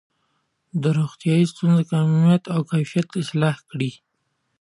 د روغتیايي ستونزو کمیت او کیفیت اصلاح کړي.